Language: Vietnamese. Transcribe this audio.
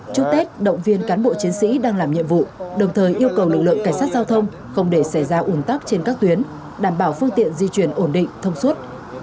chúc tết động viên cán bộ chiến sĩ đang làm nhiệm vụ đồng thời yêu cầu lực lượng cảnh sát giao thông không để xảy ra ủn tắc trên các tuyến đảm bảo phương tiện di chuyển ổn định thông suốt